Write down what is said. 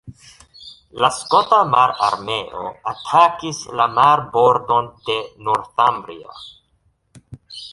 La skota mararmeo atakis la marbordon de Northumbria.